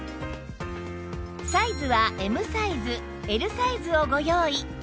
サイズは Ｍ サイズ Ｌ サイズをご用意